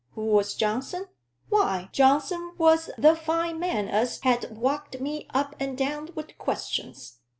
Who was Johnson? Why, Johnson was the fine man as had walked me up and down with questions.